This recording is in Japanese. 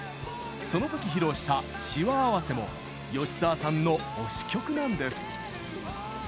そのとき披露した「しわあわせ」も吉沢さんの推し曲なんです。